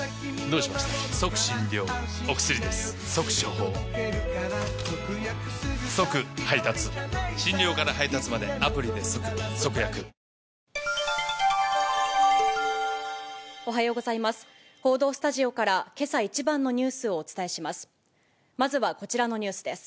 報道スタジオからけさ一番のニュースをお伝えします。